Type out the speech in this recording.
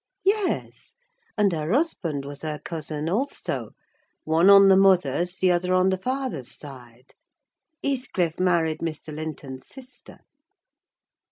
"Yes; and her husband was her cousin also: one on the mother's, the other on the father's side: Heathcliff married Mr. Linton's sister."